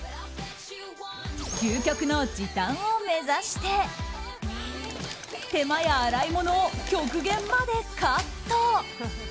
究極の時短を目指して手間や洗い物を極限までカット。